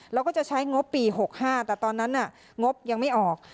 แล้วก็จะใช้งบปี๖๕แต่ตอนนั้นงบยังไม่ออก